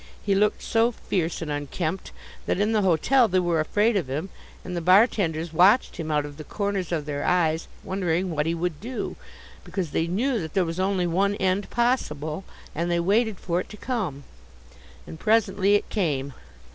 He looked so fierce and unkempt that in the hotel they were afraid of him, and the bar tenders watched him out of the corners of their eyes wondering what he would do; because they knew that there was only one end possible, and they waited for it to come. And presently it came.